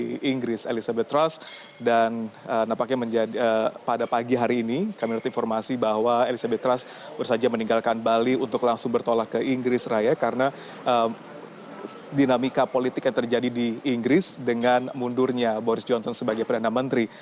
di inggris elizabeth trust dan napaknya pada pagi hari ini kami dapat informasi bahwa elizabeth trust baru saja meninggalkan bali untuk langsung bertolak ke inggris raya karena dinamika politik yang terjadi di inggris dengan mundurnya boris johnson sebagai perdana menteri